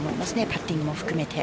パッティングも含めて。